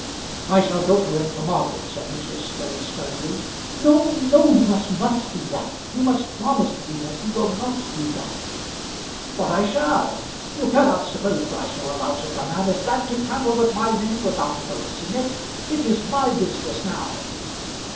"I shall go to him to morrow," said Lucius, very sternly. "No, no; you must not do that. You must promise me that you will not do that." "But I shall. You cannot suppose that I shall allow such a man as that to tamper with my name without noticing it! It is my business now."